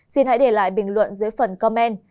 xin hãy để lại bình luận dưới phần comment